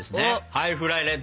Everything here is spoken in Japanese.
ハイフライレッド！